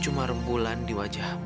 cuma rembulan di wajahmu